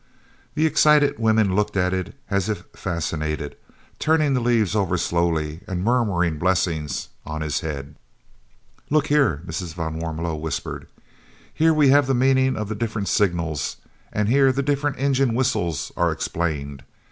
_ The excited women looked at it as if fascinated, turning the leaves over slowly and murmuring blessings on his head. "Look here," Mrs. van Warmelo whispered, "here we have the meanings of the different signals, and here the different engine whistles are explained.